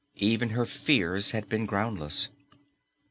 Even her fears had been groundless.